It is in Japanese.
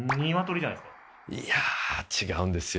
いや違うんですよ。